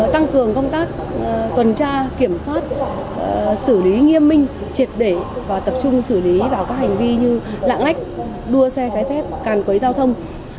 tăng cường công tác tuần tra kiểm soát xử lý nghiêm minh triệt để và tập trung xử lý vào các hành vi như lạng lách đua xe trái phép càn quấy giao thông